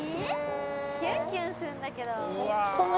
キュンキュンするんだけどうわ